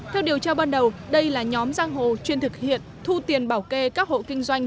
theo điều tra ban đầu đây là nhóm giang hồ chuyên thực hiện thu tiền bảo kê các hộ kinh doanh